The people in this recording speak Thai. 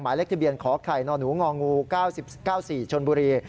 หมายเลขที่เบียนขอไข่หน่อนูงองู๙๙๔ชนบุรี